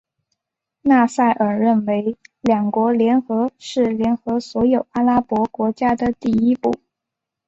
纳赛尔认为两国联合是联合所有阿拉伯国家的第一步。